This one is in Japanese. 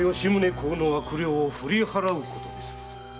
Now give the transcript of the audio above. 公の悪霊を振り払うことです。